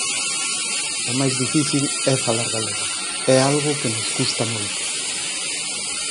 O máis difícil é falar galego, é algo que nos custa moito.